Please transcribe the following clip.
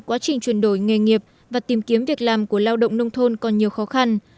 quá trình chuyển đổi nghề nghiệp và tìm kiếm việc làm của lao động nông thôn còn nhiều khó khăn